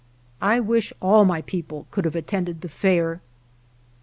I wish all my people could have attended the Fair.